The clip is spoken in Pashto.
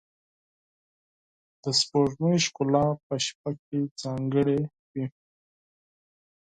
د سپوږمۍ ښکلا په شپه کې ځانګړې وه.